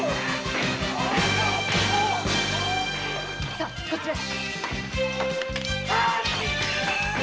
さこちらへ。